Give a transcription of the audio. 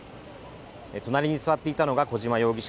隣に座っていたのが小島容疑者。